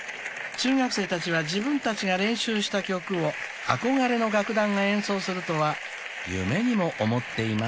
［中学生たちは自分たちが練習した曲を憧れの楽団が演奏するとは夢にも思っていません］